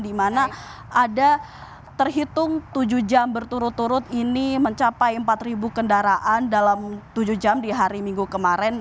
di mana ada terhitung tujuh jam berturut turut ini mencapai empat kendaraan dalam tujuh jam di hari minggu kemarin